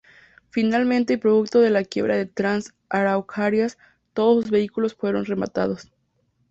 Finalmente y producto de la quiebra de Trans Araucarias, todos sus vehículos fueron rematados.